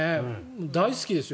大好きですよ。